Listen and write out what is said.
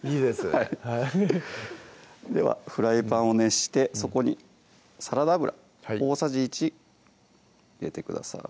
はいではフライパンを熱してそこにサラダ油大さじ１入れてください